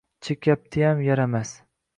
Chekyaptiyam, yaramas!